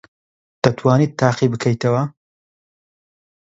دەتوانیت تاقی بکەیتەوە؟